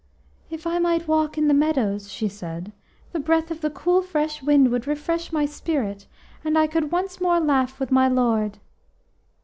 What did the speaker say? "If I might walk in the meadows," she said, "the breath of the cool fresh wind would refresh my spirit, and I could once more laugh with my lord."